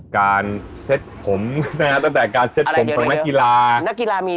การเซ็ตผมนะตั้งแต่การเซ็ตผมของนักกีฬาอะไรเดี๋ยวนักกีฬามี